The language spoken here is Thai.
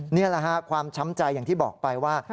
นี่แหละฮะความช้ำใจอย่างที่บอกไปว่า